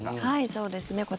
はい、そうですね。